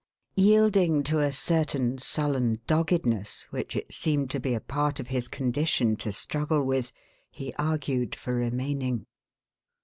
Yielding to a certain sullen doggedness, which it seemed to be a part of his condition to struggle with, he argued for remaining.